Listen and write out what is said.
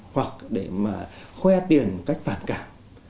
hoặc để mà khoe tiền cách phản cảm